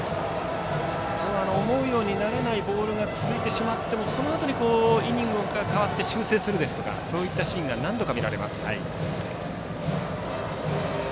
思うように投げられないボールが続いてしまってもそのあとにイニングが変わって修正するとかそういったシーンが何度か見られます。